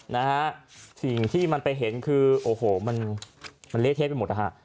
นะฮะสิ่งที่มันไปเห็นคือโอ้โหมันมันเละเทะไปหมดนะฮะ